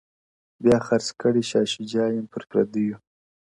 بیا خرڅ کړئ شاه شجاع یم پر پردیو،